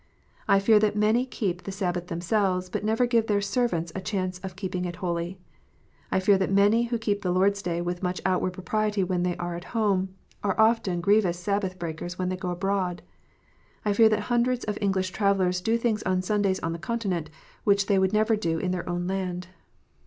I fear that many keep the Sabbath themselves, but never give their servants a chance of keeping it holy. I fear that many who keep the Lord s Day with much outward propriety when they are at home, arc often grievous Sabbath breakers when they go abroad. I fear that hundreds of English travellers do things on Sundays on the Continent, which they would never do in their own land.